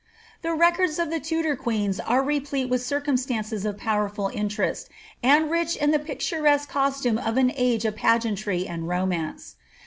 The records of the Tudor queens are replete with circumstances of powerfal interest, and rich in the piduresque costume of an age of PRSFAOS. II jNgeantrj and romance.